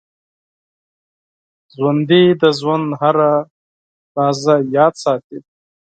ژوندي د ژوند هره لحظه یاد ساتي